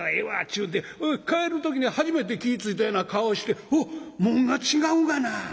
ちゅうて帰る時に初めて気ぃ付いたような顔をして『おっ紋が違うがな。